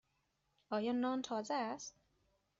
آیا نان تازه است؟